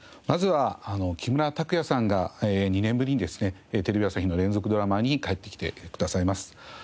まずは木村拓哉さんが２年ぶりにですねテレビ朝日の連続ドラマに帰ってきてくださいます。